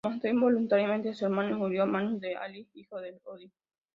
Mató involuntariamente a su hermano y murió a manos de Vali, hijo de Odín.